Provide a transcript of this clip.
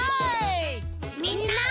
みんな。